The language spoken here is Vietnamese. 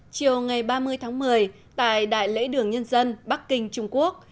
chiều ngày ba mươi tháng một mươi tại đại lễ đường nhân dân bắc kinh trung quốc